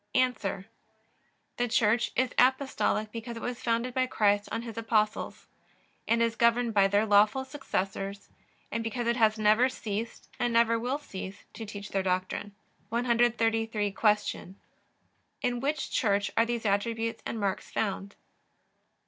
A. The Church is Apostolic because it was founded by Christ on His Apostles, and is governed by their lawful successors, and because it has never ceased, and never will cease, to teach their doctrine. 133. Q. In which Church are these attributes and marks found?